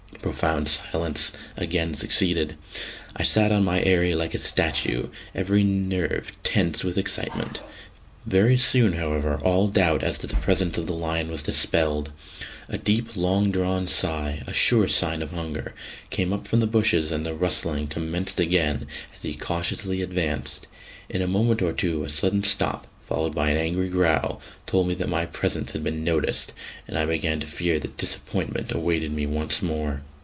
Profound silence again succeeded; I sat on my eyrie like a statue, every nerve tense with excitement. Very soon, however, all doubt as to the presence of the lion was dispelled. A deep long drawn sigh sure sign of hunger came up from the bushes, and the rustling commenced again as he cautiously advanced. In a moment or two a sudden stop, followed by an angry growl, told me that my presence had been noticed; and I began to fear that disappointment awaited me once more.